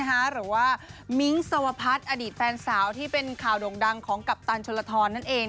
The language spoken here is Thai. หรือว่ามิ้งสวพัฒน์อดีตแฟนสาวที่เป็นข่าวโด่งดังของกัปตันชนลทรนั่นเอง